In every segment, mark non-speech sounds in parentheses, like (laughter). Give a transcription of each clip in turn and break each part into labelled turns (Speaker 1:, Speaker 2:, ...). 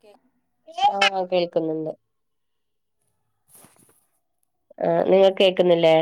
Speaker 1: കേ
Speaker 2: ആഹ കേൾക്കുന്നുണ്ട്
Speaker 1: (inaudible)
Speaker 2: ആ നിങ്ങൾക്ക് കേൾക്കുന്നില്ലേ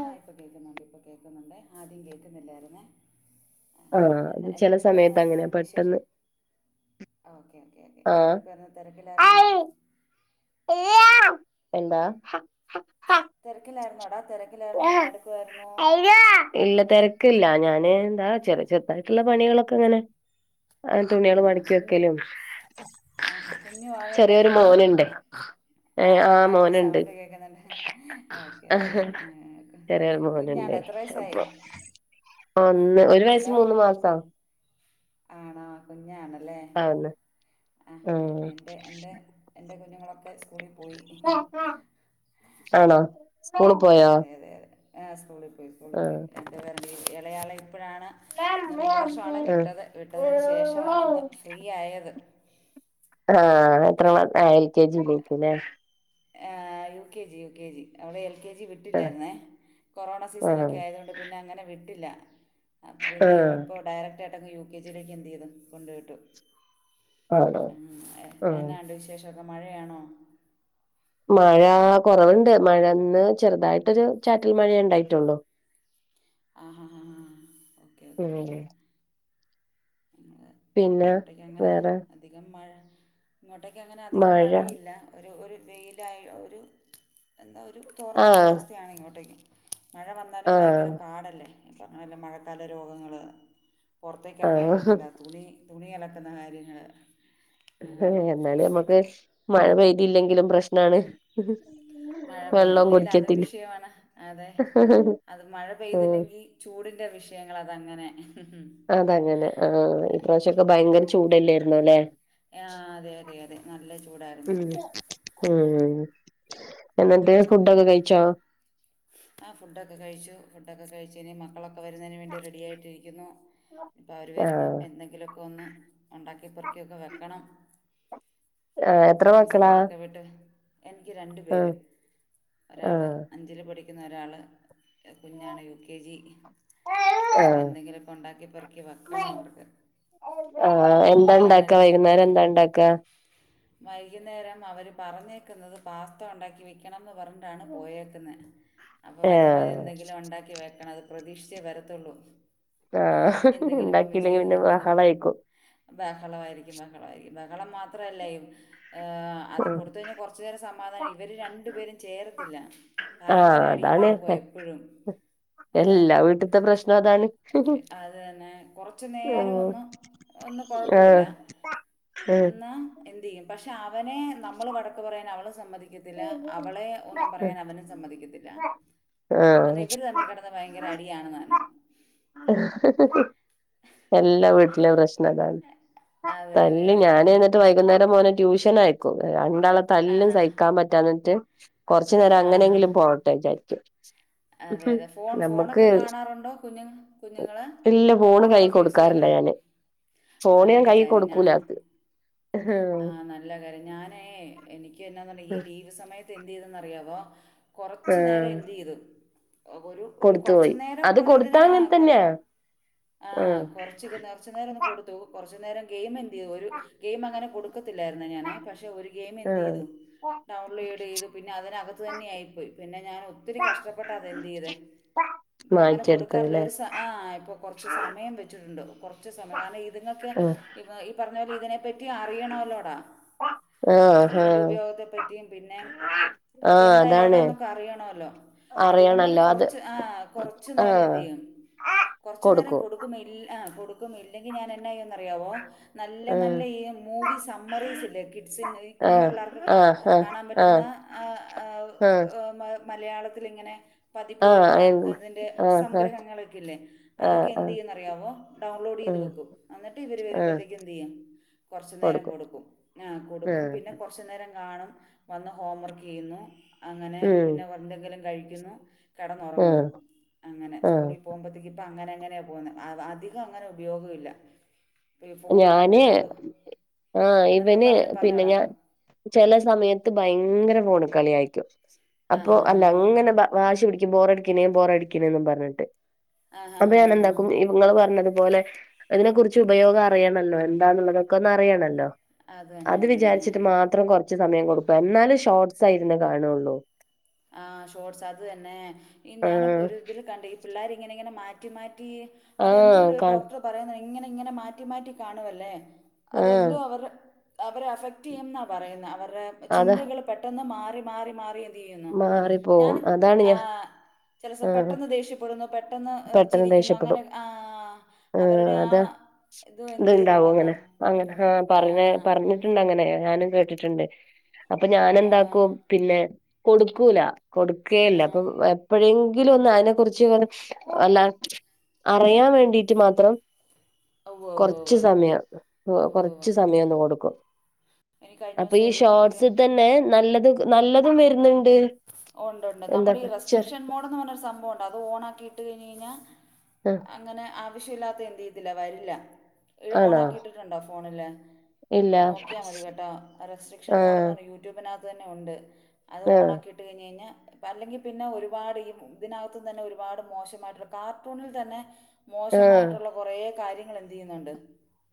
Speaker 1: ആ ഇപ്പോൾ കേൾക്കുന്നുണ്ട് ഇപ്പം കേൾക്കുന്നുണ്ട് ആദ്യം കേൾക്കുന്നില്ലായിരുന്നേ ആ
Speaker 2: ആഹ് അത്
Speaker 1: എന്നാ എന്ന
Speaker 2: ചെല
Speaker 1: അടക്ക് പറഞ്ഞ
Speaker 2: സമയത്ത്
Speaker 1: എന്നാ
Speaker 2: അങ്ങനെ
Speaker 1: അവിടെ വിശേഷം
Speaker 2: പെട്ടെന്ന്
Speaker 1: ഓക്കെ ഓക്കെ ഓക്കെ
Speaker 2: ആഹ്
Speaker 1: എന്റടുക്കയിരുന്നു തിരക്കിലായിരുന്നോ
Speaker 2: എന്താ
Speaker 1: തിരക്കിലായിരുന്ന എടാ തിരക്കിലായിരുന്ന എന്നാ എടുക്കുവായിരുന്നു
Speaker 2: ഇല്ല തിരക്കില്ല ഞാന് എന്താ ചെറ ചെർതായിട്ടുള്ള പണികളൊക്കെ ഇങ്ങന ആ തുണികള്
Speaker 1: ആണോ
Speaker 2: മടക്കി
Speaker 1: കുഞ്ഞ്
Speaker 2: വെക്കലും
Speaker 1: ആഹാ കുഞ്ഞുവാവ ഉണ്ടെന്നു
Speaker 2: ചെറിയൊരു
Speaker 1: തോന്നുന്നു
Speaker 2: മോനുണ്ട്
Speaker 1: ആ
Speaker 2: ഏഹ് ആഹ്
Speaker 1: അതെ
Speaker 2: മോനുണ്ട്
Speaker 1: സൗണ്ട് കേൾക്കുന്നുണ്ട് ഓക്കേ ഒക്കെ
Speaker 2: ചെറിയ ഒരു മോൻ ഉണ്ട് അപ്പൊ ഒന്ന് ഒരു വയസ്
Speaker 1: ഹലോ
Speaker 2: മൂന്ന് മാസം
Speaker 1: ആണോ കുഞ്ഞാണല്ലേ
Speaker 2: ആവുന്ന്
Speaker 1: ആഹ
Speaker 2: ആഹ്
Speaker 1: എൻ്റെ എൻ്റെ എൻ്റെ കുഞ്ഞുങ്ങളൊക്കെ സ്കൂളിൽ പോയി
Speaker 2: ആണോ സ്കൂള് പോയോ
Speaker 1: അതെ അതെ അതെ ആ സ്കൂളിൽ പോയി സ്കൂളിൽ പോയി
Speaker 2: ആഹ്
Speaker 1: എളെയാള് ഇപ്പോഴാണ് ഈ വർഷമാണ്
Speaker 2: ആഹ്
Speaker 1: വിട്ടത് വിട്ടതിന് ശേഷമാണെന്ന് ഫ്രീ ആയത്
Speaker 2: ആഹ എത്ര എൽ കെ ജി യിലായിരിക്കും അല്ലെ
Speaker 1: U K G U K G അവിടെ എൽ കെ ജി വിട്ടില്ലായിരുന്നേ കൊറോണ
Speaker 2: ആഹ്
Speaker 1: സീസൺ
Speaker 2: ആഹ്
Speaker 1: ഒക്കെ ആയതുകൊണ്ട് പിന്നെ അങ്ങനെ വിട്ടില്ല പിന്നെ
Speaker 2: ആഹ്
Speaker 1: ഇപ്പോൾ ഡയറക്ട് ആയിട്ട് അങ്ങ് യു കെ ജിയിലേക്ക് എന്ത് ചെയ്തു കൊണ്ടായി വിട്ടു
Speaker 2: ആണോ ആഹ്
Speaker 1: എന്നാണ്ട് വിശേഷംഒക്കെ മഴയാണോ
Speaker 2: മഴ കുറവുണ്ട് മഴ ഇന്ന് ചെറുതായിട്ടൊരു ചാറ്റൽ മഴെ ഉണ്ടായിട്ടുള്ളു
Speaker 1: ആഹ് ഹാ ഹാ ഹാ ഓക്കെ ഓക്കേ
Speaker 2: ഉം
Speaker 1: ഓക്കെ
Speaker 2: പിന്നെ
Speaker 1: ഇങ്ങോട്ടേക്ക് അങ്ങനെ
Speaker 2: വേറെ
Speaker 1: അധികം മഴ ഇങ്ങോട്ടേക്ക് അങ്ങനെ അധികം
Speaker 2: മഴ
Speaker 1: മഴയില്ല ഒരു ഒരു വെയിലായി ഒരു എന്താ ഒരു തോർന്ന
Speaker 2: ആഹ്
Speaker 1: കാലാവസ്ഥയാണ് ഇങ്ങോട്ടേക്ക് മഴ വന്നാലും ഭയങ്കര
Speaker 2: ആഹ്
Speaker 1: പാടല്ലേ ഇപ്പ അങ്ങനല്ല മഴക്കാല രോഗങ്ങള് പുറത്തേക്ക് ഇറങ്ങാൻ
Speaker 2: ആഹ്
Speaker 1: പറ്റില്ല തുണി തുണി അലക്കുന്ന കാര്യങ്ങൾ
Speaker 2: എന്നാലും നമ്മക്ക് മഴ പെയതിയില്ലെങ്കിലും പ്രശ്നാണ്
Speaker 1: മഴ
Speaker 2: വെള്ളം
Speaker 1: പെയ്തില്ലേല് അതും
Speaker 2: കുടിക്കത്തില്ല
Speaker 1: വിഷയമാണ് അതെ അത് മഴ
Speaker 2: ഉം
Speaker 1: പെയ്തില്ലെങ്കി ചൂടിന്റെ വിഷയങ്ങൾ അതങ്ങനെ
Speaker 2: അതങ്ങനെ ആഹ് ഈ പ്രാവശ്യൊക്കെ ഭയങ്കര ചൂടല്ലേ ര്ന്നേ ല്ലേ
Speaker 1: ആ, അതെ അതെ അതെ നല്ല ചൂടായിരുന്നു
Speaker 2: ഉം ഉം എന്നിട്ട് ഫുഡൊക്കെ കഴിച്ചോ ! ! ! ! ! ! ! ! ! !
Speaker 1: ആഹ് ഫുഡൊക്കെ കഴിച്ചു ഫുഡൊക്കെ കഴിചു ഇനി മക്കളൊക്കെ വരുന്നതിന് വേണ്ടി റെഡിയായിട്ടിരിക്കുന്നു ഇപ്പം അവര് വരുമ്പം
Speaker 2: ആഹ്
Speaker 1: എന്തെങ്കിലു ഒക്കെ ഒന്ന് ഉണ്ടാക്കി പുറക്കി ഒക്കെ വെക്കണം
Speaker 2: എത്ര
Speaker 1: ആഹ്
Speaker 2: മക്കളാ
Speaker 1: സ്കൂളൊക്കെ വിട്ട് എനിക്ക് രണ്ടു പേര്
Speaker 2: ആഹ്
Speaker 1: ഒരാള്
Speaker 2: ആഹ്
Speaker 1: അഞ്ചില് പഠിക്കുന്നു ഒരാള് കുഞ്ഞാണ് യു കെ ജി അപ്പൊ
Speaker 2: ആഹ്
Speaker 1: എന്തെങ്കിലു ഒക്കെ ഉണ്ടാക്കിപ്പറക്കി വെക്കണ അവർക്ക്
Speaker 2: ആഹ് എന്താ ണ്ടാക്ക
Speaker 1: നമുക്കാണേൽ
Speaker 2: വൈകുന്നേരം എന്താ ണ്ടാക്കാ
Speaker 1: വൈകുന്നേരം അവര് പറഞ്ഞേക്കുന്നത് പാസ്ത ഉണ്ടാക്കി വെക്കണം ന്ന് പറ ഞ്ഞിട്ടാണ് പോയക്കുന്നത് അപ്പ വരുമ്പാ
Speaker 2: ആഹ്
Speaker 1: എന്തെങ്കിലും ഉണ്ടാക്കി വെ ക്കണം അത് പ്രതീക്ഷിച്ചേ വരത്തുള്ളൂ
Speaker 2: ആഹ്
Speaker 1: എന്തെങ്കിലും മമ്മി
Speaker 2: ഇണ്ടാക്കിയില്ലെങ്കി
Speaker 1: ചെയ്തു
Speaker 2: പിന്നെ
Speaker 1: വെക്കു എന്ന്
Speaker 2: ബഹളായിക്കും
Speaker 1: ബഹളമായിരിക്കും ബഹളമായിരിക്കും ബഹളം മാത്രമല്ല അത്
Speaker 2: ഉം
Speaker 1: കൊടുത്ത് കഴിഞ്ഞാൽ കുറച്ചു നേരം സമാധാനഇവര് ര ണ്ടു പേരും ചേരത്തില്ല ഭയങ്കര
Speaker 2: ആഹ്
Speaker 1: അടിയും
Speaker 2: അതാണ്
Speaker 1: വഴക്കുവ എപ്പഴും. ഏഹ്
Speaker 2: എല്ലാ വീട്ട്ത്തെ പ്രശ്നം അതാണ്
Speaker 1: അത് തന്നെ കൊറച്ചു നേരം
Speaker 2: ഉം
Speaker 1: ഒന്ന് ഒന്നും കൊഴപ്പവില്ല
Speaker 2: ആഹ്
Speaker 1: ന്നാ എന്ത് ചെയ്യും പക്ഷെ അവനെ നമ്മൾ വഴക്കു പറയാൻ അവള് സമ്മതിക്കത്തില്ല.
Speaker 2: ഉം
Speaker 1: അവളെ ഒന്നും പറയാൻ അവനും സമ്മതിക്കത്തില്ല. അന്നാ
Speaker 2: ആഹ്
Speaker 1: ഇവരു തമ്മിക്കെടന്നു ഭയങ്കരടിയാണ്താനും.
Speaker 2: എല്ലാ വീട്ടിലേം പ്രശ്നം അതാണ്
Speaker 1: അതെ അതെ
Speaker 2: തല്ല്
Speaker 1: അതെ അതെ
Speaker 2: ഞാനാണെ ട്ട് വൈകുന്നേരം മോനെ ട്യൂഷൻ ആയക്കും രണ്ടാളെ തല്ലും
Speaker 1: ആഹാ
Speaker 2: സഹിക്കാൻ പറ്റാഞ്ഞിട്ട്. കൊറ്ച്ചു നേരം
Speaker 1: ആഹാ
Speaker 2: അങ്ങനെങ്കിലും പോട്ടെ വിചാരിച്ചു.
Speaker 1: അതെ അതെ ഫോൺ ഫോണൊക്കെ കാണാറൊണ്ടോ കുഞ്ഞു കുഞ്ഞുങ്ങള്
Speaker 2: ഇല്ല ഫോണ് കൈ
Speaker 1: ഫോണൊക്കെ യൂസ്
Speaker 2: കൊടുക്കാറില്ല
Speaker 1: ചെയ്യാറുണ്ടോ
Speaker 2: ഞാന് ഫോണ് ഞാൻ കയ്യി കൊടുക്കൂലാ ഹാ
Speaker 1: ആ നല്ല കാര്യ ഞാനേ എനിക്കെന്നാന്നറി ഈ ലീവ് സമയത്ത് എന്ത് ചെയ്തെന്ന് അറിയാവോ കൊറച്ചു നേരം
Speaker 2: ആഹ്
Speaker 1: എന്ത് ചെയ്തു ഒരു ഒരു
Speaker 2: കൊടുത്തു
Speaker 1: കൊറച്ചു
Speaker 2: പോയി
Speaker 1: നേരം
Speaker 2: അത്
Speaker 1: ഒരു ഇതിന്
Speaker 2: കൊടുത്താ അങ്ങനെ
Speaker 1: ആഹ് കൊറ
Speaker 2: തന്നെയാ
Speaker 1: ആഹ് കൊറച്ച്ക്ക്നേ കുറച്ചു നേരം ഒന്ന് കൊടുത്തു കുറച്ചു നേരം ഗെയിം എന്ത് ചെയ്തു ഒരു ഗെയിം അങ്ങനെ കൊടുക്കത്തില്ലാരുന്നു ഞാനേ പക്ഷെ ഒരി ഗെയിം എന്ത്
Speaker 2: ആഹ്
Speaker 1: ചെയ്തു, ഡൌൺലോഡ് ചെയ്തു പിന്നെ അതിനകത്ത് തന്നെ ആയിപ്പോയി പിന്നെ ഞാൻ ഒത്തിരി കഷ് ട്ടപ്പെട്ട തെന്തെയ്തെ ഇപ്പം അങ്ങനെ
Speaker 2: മാറ്റിയെടുത്തത്
Speaker 1: കൊടുക്കാറില്ല
Speaker 2: ല്ലേ
Speaker 1: ഒരു ആ ഇപ്പ കൊറച്ച് സമയം വെച്ചിട്ടുണ്ട് കൊറച്ച് സമയം കാരണം ഇതുങ്ങൾക്ക്
Speaker 2: ആഹ്
Speaker 1: ഈ പറഞ്ഞ പോലെ ഇതിനെപ്പറ്റി അറിയണോല്ലോടാ.
Speaker 2: ആഹ്
Speaker 1: ഇതിന്റെ
Speaker 2: ആഹ്
Speaker 1: ഉപയോഗത്തെപ്പറ്റിയും പിന്നെ
Speaker 2: ആഹ്
Speaker 1: അതെന്താ
Speaker 2: അതാണ്
Speaker 1: ഏതാന്നൊക്കെ അറിയണോല്ലോ. അതുകൊണ്ട് ഒരു
Speaker 2: അറിയണല്ലോ അത്
Speaker 1: കൊറച്ച് ആ കൊറച്ചു നേരം
Speaker 2: ആഹ്
Speaker 1: എന്ത് ചെയ്യും കൊറച്ചു നേരം
Speaker 2: കൊടുക്കും
Speaker 1: കൊടു ക്കു മില്ല ആ കൊടുക്കുന്നില്ലെങ്കി ഞാൻ എന്നാ യ്യാ വെന്നറിയാവോ നല്ല നല്ല
Speaker 2: ആഹ്
Speaker 1: ഈ മൂവി സമ്മറീസ് ഇല്ലേ കിഡ്സിന് ഈ കുഞ്ഞു
Speaker 2: ആഹ്
Speaker 1: പിള്ളേർക്ക് കാ
Speaker 2: ആഹ് ആഹ്
Speaker 1: കാണാൻ പറ്റുന്ന
Speaker 2: ആഹ്
Speaker 1: ആ ആ
Speaker 2: ആഹ്
Speaker 1: അ മ മലയാളത്തിലിങ്ങനെ പതിപ്പ്
Speaker 2: ആഹ്
Speaker 1: വരുന്ന
Speaker 2: അയൽമ
Speaker 1: ഇതിൻ്റെ
Speaker 2: ആഹ് ആഹ്
Speaker 1: സംഗ്രഹങ്ങളൊക്കെല്ലേ അതൊക്കെ എന്തു
Speaker 2: ആഹ്
Speaker 1: ചെയ്യുവെന്നറിയാവോ ഡൗൺലോഡ്
Speaker 2: ആഹ്
Speaker 1: ചെയ്ത്
Speaker 2: ആഹ്
Speaker 1: വെക്കും. എന്നിട്ട് ഇവര്
Speaker 2: ആഹ്
Speaker 1: വരുമ്പോത്തേക്കും എന്തു ചെയ്യും കൊറച്ചു നേരം കൊടുക്കും ആ കൊടുക്കും
Speaker 2: ആഹ്
Speaker 1: പിന്നെ കൊർ ച്ചു നേരം കാണു വന്ന് ഹോം വർക്ക് ചെയ്യുന്നു അങ്ങനെ
Speaker 2: ഉം
Speaker 1: പിന്നെ എന്തെങ്കിലും കഴിക്കുന്നു
Speaker 2: ആഹ്
Speaker 1: കെടന്നൊറങ്ങുന്നു അങ്ങനെ
Speaker 2: ആഹ്
Speaker 1: കുളി പോകുമ്പഴത്തേക്കിപ്പ അങ്ങനെ അങ്ങനെയാ പോകുന്നത് അധികം അങ്ങനെ ഉപയോഗഇല്ല
Speaker 2: ഞാന് ആ
Speaker 1: എന്തോ
Speaker 2: ഇവന്
Speaker 1: പറഞ്ഞോ
Speaker 2: പിന്നെ
Speaker 1: പറഞ്ഞോടാ
Speaker 2: ഞാൻ ചെല സമയത്ത് ഭയങ്കര ഫോണികളി ആയിരിക്കും.
Speaker 1: ആ
Speaker 2: അപ്പൊ
Speaker 1: ഹാ ഹാ ഹാ
Speaker 2: അല്ലങ്ങനെ വാശി പിടിക്കും ബോറടിക്കണേ ബോറടിക്കണേന്നും പറഞ്ഞിട്ട്
Speaker 1: ആ ഹാ
Speaker 2: അപ്പൊ
Speaker 1: ഹാ
Speaker 2: ഞാൻ
Speaker 1: ഹാ ഹാ
Speaker 2: എന്താക്കും ഇവങ്ങള് പറഞ്ഞതുപോലെ അതിനെ കുറിച്ച് ഉപയോഗ റിയണല്ലോ എന്താണുള്ളതൊക്കെ ഒന്നറിയണല്ലോ അത് വിചാരിച്ചിട്ട് മാത് ത്രം കൊറച്ച് സമയം കൊടുക്കും എന്നാലും ഷോർട്സെ ഇരുന്നു കാണുള്ളൂ
Speaker 1: ആ ഷോർട്സ് അത് തന്നെ ഈ ഞാന്
Speaker 2: ആഹ്
Speaker 1: ഒരു ഇതില് കണ്ട പിള്ളാരിങ്ങനിങ്ങനെ മാറ്റി മാറ്റി, അതെന്തോ
Speaker 2: ആഹ്
Speaker 1: ഒരു
Speaker 2: കാണും
Speaker 1: ഡോക്ടർ പറയുന്ന ഇങ്ങനെ ഇങ്ങനെ മാറ്റി മാറ്റി കാണുവല്ലേ
Speaker 2: ആഹ്
Speaker 1: അതെന്തോ അവർടെ അവരെ അഫക്ട് ചെയ്യുംന്നാ പറയുന്ന, അവരുടെ
Speaker 2: അതാ
Speaker 1: ചിന്തകൾ പെട്ടെന്ന് മാറി മാറി മാറി എന്ത് ചെയ്യു
Speaker 2: മാറിപ്പോവും
Speaker 1: ഞാനും
Speaker 2: അതാണ്
Speaker 1: ആ
Speaker 2: ഞാൻ
Speaker 1: ചില സ
Speaker 2: ആഹ്
Speaker 1: പെട്ടെന്ന് ദേഷ്യപ്പെടുന്നു പെട്ടെന്ന്
Speaker 2: പെട്ടെന്ന്
Speaker 1: ചിരിക്കുന്നു അങ്ങനെ
Speaker 2: ദേഷ്യപ്പെടും
Speaker 1: ആ അവരുടെ ആ
Speaker 2: ഇത്
Speaker 1: എന്ത്
Speaker 2: ഇണ്ടാവും
Speaker 1: ചെയ്യുന്നുണ്ടെന്ന്
Speaker 2: അങ്ങനെ അങ്ങനെ ആ പറഞ്ഞ പറഞ്ഞ ണ്ടങ്ങനെ ഞാനും കേട്ടിട്ടുണ്ട് അപ്പൊ ഞാനെന്താക്കും പിന്നെ കൊടുക്കൂല കൊടുക്കുകേല്ല അപ്പം അ എപ്പഴെങ്കിലും ഒന്ന് അതിനെ കുറിച്ചിങ്ങനെ അല്ല അറിയാൻ വേണ്ടിട്ട് മാത്രം
Speaker 1: ഉവ്വ് ഉവ്വ് ഉവ്വ്
Speaker 2: കൊറച്ച് സമയം അ
Speaker 1: ഉവ്വ് ഉവ്വ്
Speaker 2: കൊറച്ച് സമയം ഒന്ന് കൊടുക്കും
Speaker 1: എനിക്ക് കഴിഞ്ഞ
Speaker 2: അപ്പൊ
Speaker 1: ദിവസം
Speaker 2: ഈ
Speaker 1: ഒരു ഒരു
Speaker 2: ഷോർട്സി തന്നെ നല്ലത് നല്ലതും വരുന്നുണ്ട്.
Speaker 1: ഉണ്ട് ഉണ്ട്
Speaker 2: എന്താ
Speaker 1: നമ്മുടെ ഈ
Speaker 2: ചെറി
Speaker 1: റെസ്ട്രിക്ഷൻ മോഡ്ന്ന് പറഞ്ഞൊരു സംഭവം ഉണ്ട് അത് ഓൺ ആക്കിട്ട് കഴിഞ് കഴിഞ്ഞാൽ
Speaker 2: ആഹ
Speaker 1: അങ്ങനെ ആവശ്യമില്ലാത്ത എന്ത് ചെയ്ത്തില്ല വരില്ല ഓൺ
Speaker 2: ആണോ
Speaker 1: ആക്കിയിട്ടിട്ടുണ്ടോ ഫോണില്
Speaker 2: ഇല്ല
Speaker 1: നോക്കിയാൽ മതി കേട്ടോ. റെസ്ട്രിക്ഷൻ മോഡ്ന്ന്
Speaker 2: ആഹ്
Speaker 1: പറഞ്ഞാൽ യൂട്യൂബിനകത്ത് തന്നെ ഉണ്ട് അത്
Speaker 2: ആഹ്
Speaker 1: ഓണാക്കിയിട്ട് കഴിഞ്ഞാൽ അല്ലെങ്കിൽ പിന്നെ ഒരുപാട് ഈ ഇതിനകത്തും തന്നെ ഒരുപാട് മോശമായിട്ടുള്ള കാർട്ടൂണിൽ തന്നെ
Speaker 2: ആഹ്
Speaker 1: മോശമായിട്ടുള്ള കുറേ കാര്യങ്ങൾ എന്ത് ചെയ്യുന്നുണ്ട്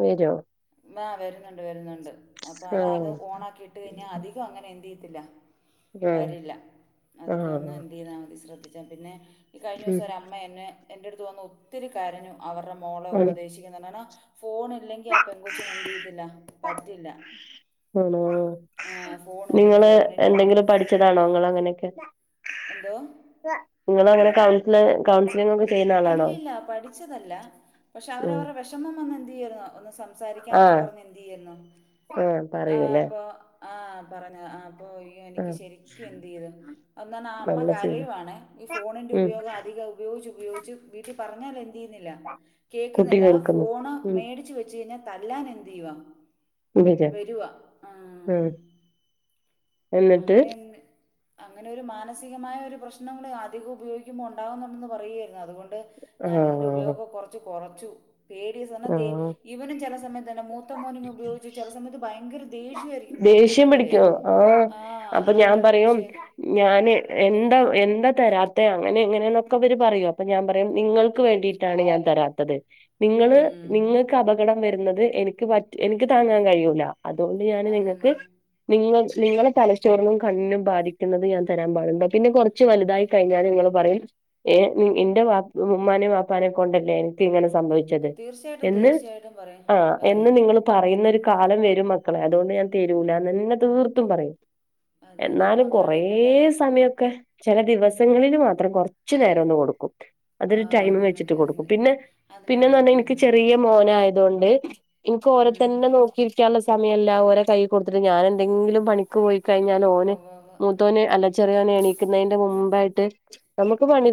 Speaker 2: വരുന്നോ
Speaker 1: ആ വരുന്നുണ്ട് വരുന്നുണ്ട്. അപ്പൊ അത അത്
Speaker 2: ആഹ്
Speaker 1: ഓണ ആക്കി ഇട്ട് കഴിഞ്ഞാൽ അധികം അങ്ങനെ എന്ട്രി ചെയ്യത്തില്ല
Speaker 2: ആഹ്
Speaker 1: വരില്ല അതൊക്കെ ഒന്ന്
Speaker 2: ആഹ്
Speaker 1: എന്ട്രി ചെയ്താൽ മതി ശ്രദ്ധിച്ചാൽ പിന്നെ ഈ കഴിഞ്ഞ
Speaker 2: ഉം
Speaker 1: ദിവസം ഒര അമ്മ എന്നെ എൻ്റെ അടുത്ത് വന്ന് ഒത്തിരി കാര്യങ്ങൾ അവരുടെ മോളെ
Speaker 2: ആണ്
Speaker 1: ഉപദേശിക്കുന്നു കാരണം ഫോൺ അല്ലെങ്കിൽ ആ പെൺങ്കൊച്ചിന് എന്ട്രി ചെയ്യതില്ല പറ്റില്ല
Speaker 2: ആണോ
Speaker 1: ആ ഫോണുപയോഗിക്കുന്ന ഫോണിന്റെ
Speaker 2: താണോ നിങ്ങൾ അങ്ങനെയൊക്കെ
Speaker 1: എന്തോ
Speaker 2: നിങ്ങളൊരു കൗൻസിലറെ കൗൻ ഞങ്ങക്ക് ചെയ്യുന്ന ആളാണോ
Speaker 1: അല്ലല്ല പഠിച്ചതല്ല പക്ഷെ
Speaker 2: ഉം
Speaker 1: അവരവരുടെ വിഷമം വന്ന് എന്തു ചെയ്യുന്ന ഒ സംസാരിക്കാനൊക്കെ
Speaker 2: ആഹ്
Speaker 1: പറഞ്ഞാ എന്ത് ചെയ്യായിരുന്നു
Speaker 2: ആഹ്
Speaker 1: ആ
Speaker 2: പറയൂല്ലേ
Speaker 1: അപ്പ ആഹ പറഞ്ഞു ആ അപ്പ എനിക്ക്
Speaker 2: ആഹ്
Speaker 1: ശരിക്കും എന്ത് ചെയ്തു അൽ ആ അമ്മ
Speaker 2: നല്ല
Speaker 1: കരയു
Speaker 2: ശീലം
Speaker 1: ആണേ. ഈ ഫോണിന്റെ
Speaker 2: ഉം
Speaker 1: ഉപയോഗം അധികം ഉപയോഗിച്ച് ഉപയോഗിച്ച് വീട്ടിൽ പറഞ്ഞൽ ചെയ്യുന്നില്ല
Speaker 2: കുട്ടി
Speaker 1: കേക്കുന്നില്ല ആ
Speaker 2: കേൾക്കുന്നു
Speaker 1: ഫോണ്
Speaker 2: ഉം
Speaker 1: മേടിച്ച് വെച്ച് കഴിഞ്ഞാൽ തല്ലാൻ എന്ത് ചെയ്യവാ
Speaker 2: ഉം എന്നിട്ട്
Speaker 1: അങ്ങനെ എന്ത് അങ്ങനെ ഒരു മാനസികമായ ഒരു പ്രശ്നങ്ങൾ അധികം ഉപയോഗിക്കുമ്പോൾ ഉണ്ടാകുന്നുണ്ടെന്ന് പറയായിരുന്നു അതുകൊണ്ട് അ ത് ഞാനതിൻ്റെ
Speaker 2: ആഹ്
Speaker 1: ഉപയോഗം കുറച്ച് കുറച്ചു പേടിയ ഈ സാധനത്തെ.
Speaker 2: ആഹ്
Speaker 1: ഇവനും ചില സമയത്ത് തന്നെ മൂത്ത മോനിങ് ഉപയോഗിച്ചു ചില സമയത്ത് ഭയങ്കര ദേഷ്യായിരിക്കും
Speaker 2: ദേഷ്യം
Speaker 1: കൊടുത്തില്ലെങ്കിലേ
Speaker 2: പിടിക്കോ ആഹ്
Speaker 1: ആ
Speaker 2: അപ്പൊ ഞാൻ
Speaker 1: ഭയങ്കര
Speaker 2: പറയും
Speaker 1: ദേഷ്യ
Speaker 2: ഞാന് എന്താ, എന്താ തരാത്ത അങ്ങനെ എങ്ങനെയെന്നൊക്കെ അവര് പറയൂ അപ്പൊ ഞാൻ പറയും നിങ്ങൾക്ക് വേണ്ടിട്ട ട്ടാണ് ഞാൻ തരാത്തത് നിങ്ങള്
Speaker 1: ഉം
Speaker 2: നിങ്ങൾക്ക് അപകടം വരുന്നത് എനിക്ക്, എനിക്ക് താങ്ങാൻ കഴിയൂല അതുകൊണ്ട് ഞാന്
Speaker 1: അത്
Speaker 2: നിങ്ങക്ക്
Speaker 1: തന്നെ
Speaker 2: നിങ്ങൾ നിങ്ങളെ തലച്ചോറിനും കണ്ണിനും ബാധിക്കുന്നത് ഞാൻ തരാൻ പാടുണ്ടോ പിന്നെ കുറച്ച് വലുതായി കഴിഞ്ഞാൽ നിങ്ങൾ പറയും. ഏ എന്റെ ഉമ്മാനെ വാപ്പാനെ കൊണ്ടല്ലേ എനിക്ക് ഇങ്ങനെ സംഭവി
Speaker 1: തീർച്ചയായിട്ടും
Speaker 2: എന്ന്
Speaker 1: തീർച്ചയായിട്ടും പറയും
Speaker 2: ആഹ് എന്ന്
Speaker 1: പറയും
Speaker 2: നിങ്ങൾ പറയുന്നൊരു കാലം വരും മക്കളെ അതുകൊണ്ട് ഞാൻ തരൂലന്നെ തീർത്തും പറയും
Speaker 1: അത് തന്നെ അത്
Speaker 2: എന്നാലും
Speaker 1: മാത്രമല്ല
Speaker 2: കൊറേ
Speaker 1: ഇപ്പം തന്നെ
Speaker 2: സമയൊക്കെ ചില
Speaker 1: ഇപ്-
Speaker 2: ദിവസങ്ങളില് മാത്രം കൊർ കുറച്ച് നേരം ഒന്ന് കൊടുക്കും.
Speaker 1: ആ
Speaker 2: അതൊരു ടൈം
Speaker 1: അത് മതി
Speaker 2: വെച്ചിട്ട്
Speaker 1: അത്
Speaker 2: കൊടുക്കും.
Speaker 1: മതി
Speaker 2: പിന്നെ
Speaker 1: അത്
Speaker 2: പിന്നെന്ന്
Speaker 1: മതി
Speaker 2: പറഞ്ഞാൽ
Speaker 1: അത്
Speaker 2: എനിക്ക്
Speaker 1: മതി
Speaker 2: ചെറിയ മോന് ആയതുകൊണ്ട് എനിക്ക് ഓരോ
Speaker 1: ഉം
Speaker 2: തന്നെ നോക്കിരി ഉള്ള സമയം ഇല്ല. ഓരെ കൈ കൊടുത്തിട്ട് ഞാന് എന്തെങ്കിലും പണിക് പോയിക്കഴിഞ്ഞാൽ
Speaker 1: ഉവ്വ്
Speaker 2: ഓന്
Speaker 1: ഉവ്വ് ഉവ്വ്
Speaker 2: മൂത്തോന്,
Speaker 1: ഉം
Speaker 2: അല്ല ചെറിയോന് എണീക്കുന്നതിന്റെ മുമ്പായിട്ട്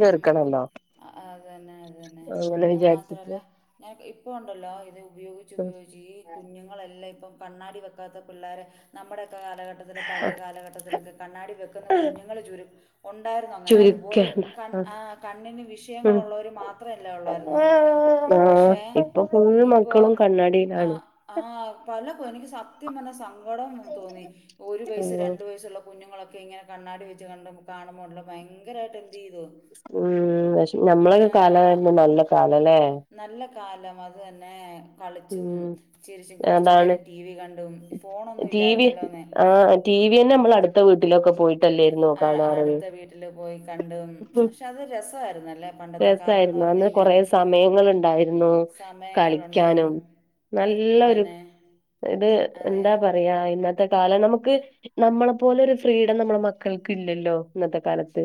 Speaker 2: തീർക്കണന്നോ
Speaker 1: ആഹ് അതന്നെ അതന്നെ അത്
Speaker 2: വിചാരിച്ചിട്ട്
Speaker 1: മാത്രല്ല ഞാ ഇപ്പ ഉണ്ടല്ലോ ഇത് ഉപയോഗിച്ച്
Speaker 2: ഉം.
Speaker 1: ഉപയോഗിച്ച് ഈ കുഞ്ഞുങ്ങളെല്ലാം ഇപ്പം കണ്ണാടി വെക്കാത്ത പിള്ളോരെ, നമ്മുടെയൊക്കെ കാലഘട്ടത്തില പഴയ കാലഘട്ടത്തിലൊക്കെ കണ്ണാടി വെക്കുന്ന കുഞ്ഞുങ്ങൾ ചുരുക്കം ഉണ്ടായിരുന്നു അങ്ങനെ അതുപോലെ
Speaker 2: ചുരുക്കേണ്ട
Speaker 1: ആഹ് കണ്ണിന്
Speaker 2: ഉം
Speaker 1: വിഷയങ്ങളുള്ളവർ മാത്രല്ലേ ഉള്ളായിരുന്നു
Speaker 2: ആഹ്
Speaker 1: പക്ഷേ
Speaker 2: ഇപ്പൊ ഫുള്ള്
Speaker 1: ഇപ്പോ
Speaker 2: മക്കളും കണ്ണാടിയിലാണ്
Speaker 1: ആഹ് ആഹ് പലകോ എനിക്ക് സത്യം പറഞ്ഞ സങ്കടം തോന്നി ഒരു വയസ്
Speaker 2: ഉം
Speaker 1: രണ്ട് വയ യസുള്ള കുഞ്ഞുങ്ങളൊക്കെ ഇങ്ങനെ കണ്ണാടി വെച്ച് കണ്ട കാണുമ്പോണ്ടല്ലൊ ഭയങ്കരായിട്ട് എന്ത് ചെയ്തു
Speaker 2: ഉം പക്ഷെ ഞമ്മളെക്കെ കാലവാരുന്നു നല്ല കാലല്ലേ
Speaker 1: നല്ല കാലം അത് തന്നെ കളിച്ചും
Speaker 2: ഉം
Speaker 1: ചിരിച്ചും
Speaker 2: അതാണ്
Speaker 1: കൊറച്ച്നേരം ടി വി കണ്ടും ഫോണൊന്നും
Speaker 2: ടി വി
Speaker 1: ഇല്ലാരുന്നല്ലോ അന്ന്
Speaker 2: ആഹ് ടി വിയന്നെ നമ്മളടുത്തവീട്ടിലൊക്കെ പോയി
Speaker 1: ആഹ് അടുത്ത വീട്ടില് പോയി കണ്ടും പക്ഷെ അത് രസവാരുന്നല്ലേ
Speaker 2: രസവാരുന്നു അന്ന് കൊറേ സമയങ്ങള് ഇണ്ടായിരുന്നു
Speaker 1: സമയങ്ങളുണ്ടായിരുന്നു
Speaker 2: കളിക്കാനും നല്ല ഒരു
Speaker 1: അതന്നെ
Speaker 2: ഇത്
Speaker 1: അതെ
Speaker 2: എന്താ പറയാ ഇന്ന ഇന്നത്തെ കാലം നമുക്ക് നമ്മളെ പോലെ ഒരു ഫ്രീഡം നമ്മടെ മക്കൾക്ക് ഇല്ലല്ലോ ഇന്നത്തെ കാലത്ത്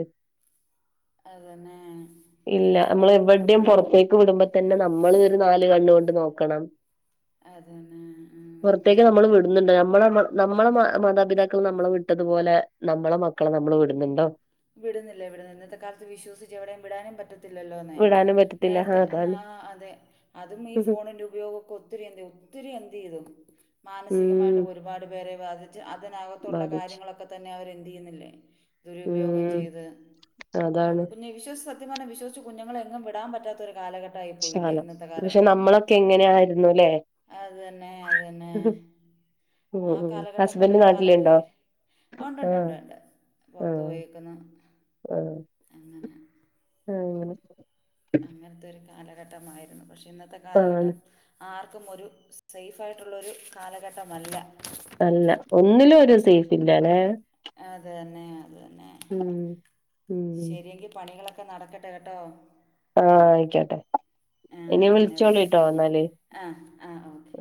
Speaker 1: അത് തന്നെ
Speaker 2: ഇല്ല നമ്മൾ എവിടെം പൊറത്തേക്ക് വിടുമ്പൊതന്നെ നമ്മൾ ഒരു നാല് കണ്ണോണ്ട് നോക്കണം
Speaker 1: അതന്നെ
Speaker 2: പൊറത്തേക്ക്
Speaker 1: ഉം.
Speaker 2: നമ്മള് വിടുന്നിണ്ടൊ നമ്മള് നമ്മെളെ മാതാപിതാക്കൾ നമ്മളെ വിട്ടതുപോലെ നമ്മളെ മക്കളെ നമ്മള് വിടുന്നിണ്ടോ
Speaker 1: വിടുന്നില്ല ഇവിടെനിന്ന് ഇന്നത്തെ കാലത്ത് വിശ്വസിച്ച് എവിടേം വിടാനും പറ്റ ത്തില്ലല്ലോനെ
Speaker 2: വിടാനും പറ്റത്തില്ല ആ
Speaker 1: നേരത്തെ
Speaker 2: അതാണ്
Speaker 1: ആഹ് അതെ അതും ഈ ഫോണിന്റെ ഉപയോകൊക്കെ ഒത്തിരിയെന്ത് ഒത്തിരിയെന്തേയ്ത് മാനസികമായിട്ട്
Speaker 2: ഉം
Speaker 1: ഒരുപാട് പേരെ ബാധിച്ച് അതിനകത്തൊള്ള
Speaker 2: ബാധിച്ചു
Speaker 1: കാര്യങ്ങളൊക്കെ തന്നെ അവരെന്തെയ്യ്ന്നില്ലേ ഇതൊരു ഉപയോഗം
Speaker 2: ഉം
Speaker 1: ചെയ്ത്
Speaker 2: അതാണ്
Speaker 1: കുഞ്ഞെ വിശ്സിച്ച് സത്യം പറഞ്ഞ വിശ്വസിച്ചു കുഞ്ഞുങ്ങളെ എങ്ങും വിടാൻ പറ്റാത്തൊര് കാലഘട്ടായി പോയില്ലെ ഇന്നത്തെ കാലം
Speaker 2: പക്ഷെ നമ്മളൊക്കെ എങ്ങനെയായിരുന്നു ല്ലേ
Speaker 1: അത് തന്നെ അതന്നെ
Speaker 2: ഉം
Speaker 1: ആഹ്
Speaker 2: ഉം
Speaker 1: കാലഘട്ടം പോലെ
Speaker 2: ഹസ്ബൻഡ്
Speaker 1: ഒരു കാലഘട്ടം
Speaker 2: നാട്ടിലുണ്ടോ
Speaker 1: നിക്ക് ആഹ് ഒണ്ട് ഒണ്ടൊണ്ട് പൊറത്ത് പോയേക്കുന്നു
Speaker 2: ആഹ്
Speaker 1: അങ്ങനെ
Speaker 2: ആഹ്
Speaker 1: അങ്ങനത്തെ ഒരു കാലഘട്ടമായിരുന്നു പക്ഷെ ഇന്നത്തെ
Speaker 2: ആണ്
Speaker 1: കാലഘട്ടം ആർക്കും ഒരു സേഫായിട്ടുള്ളൊരു കാലഘട്ടമല്ല
Speaker 2: അല്ല ഒന്നിലും ഒരു സേഫില്ലാല്ലെ
Speaker 1: അത് തന്നെ അത് തന്നെ
Speaker 2: ഉം
Speaker 1: ശരിയെങ്കി പണികളൊക്കെ ഒക്കെ നടക്കട്ടെ കെട്ടോ
Speaker 2: ആഹ് ആയിക്കോട്ടെ ഇനി വിളിച്ചോളിട്ടോ എന്നാല്
Speaker 1: ആഹ് ആഹ് ഓക്കെ